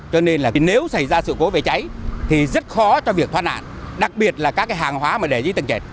cho nên nếu xảy ra sự cố vệ cháy thì rất khó cho việc thoát nạn đặc biệt là các hàng hóa để dưới tầng chảy